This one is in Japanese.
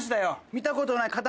見たことない塊が。